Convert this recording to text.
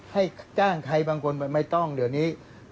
ให้จ้างใครบางคนไม่ต้องเดี๋ยวนี้